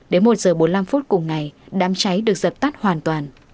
đến một giờ bốn mươi năm phút cùng ngày đám cháy được dập tắt hoàn toàn